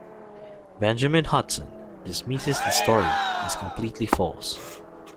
Benjamin Hudson dismisses the story as "completely false".